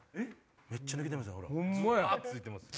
めっちゃ抜けてます。